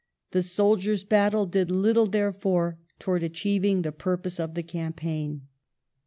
The " soldiere' battle " did little, therefore, towards achieving the purpose of the campaign.